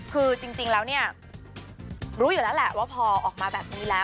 คือจริงแล้วเนี่ยรู้อยู่แล้วแหละว่าพอออกมาแบบนี้แล้ว